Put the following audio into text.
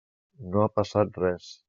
No ha passat res.